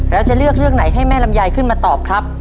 แล้วจะเลือกเรื่องไหนให้แม่ลำไยขึ้นมาตอบครับ